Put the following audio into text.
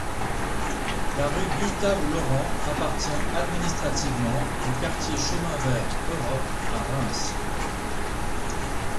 La rue Gustave-Laurent appartient administrativement au Quartier Chemin Vert - Europe à Reims.